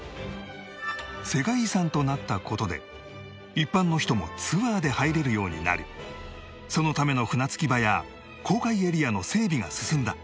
世界遺産となった事で一般の人もツアーで入れるようになりそのための船着き場や公開エリアの整備が進んだ